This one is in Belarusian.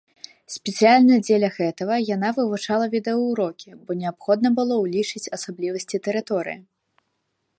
Спецыяльна дзеля гэтага яна вывучала відэаўрокі, бо неабходна было ўлічыць асаблівасці тэрыторыі.